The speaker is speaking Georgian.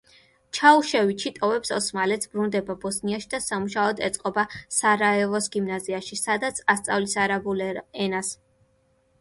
ჩაუშევიჩი ტოვებს ოსმალეთს, ბრუნდება ბოსნიაში და სამუშაოდ ეწყობა სარაევოს გიმნაზიაში, სადაც ასწავლის არაბულ ენას.